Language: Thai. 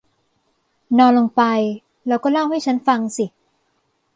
นอนลงไป และก็เล่าให้ฉันฟังสิ